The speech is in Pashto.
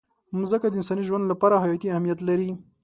مځکه د انساني ژوند لپاره حیاتي اهمیت لري.